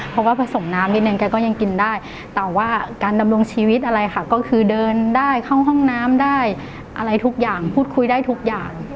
เพราะว่าผสมน้ำนิดนึงแกก็ยังกินได้แต่ว่าการดำรงชีวิตอะไรค่ะก็คือเดินได้เข้าห้องน้ำได้อะไรทุกอย่างพูดคุยได้ทุกอย่าง